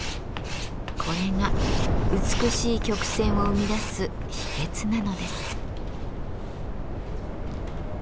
これが美しい曲線を生み出す秘けつなのです。